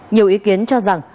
nhiều ý kiến cho rằng